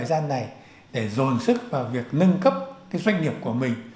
thời gian này để dồn sức vào việc nâng cấp doanh nghiệp của mình